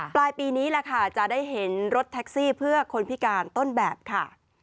ปลายปีนี้แหละค่ะจะได้เห็นรถแท็กซี่เพื่อคนพิการต้นแบบค่ะ